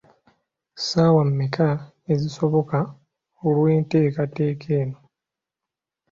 Saawa mmeka ezisoboka olw’enteekateeka eno?